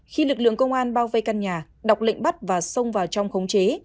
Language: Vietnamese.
khi lực lượng công an bao vây căn nhà đọc lệnh bắt và xông vào trong khống chế